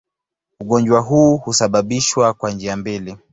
Ugonjwa huu husababishwa kwa njia mbili.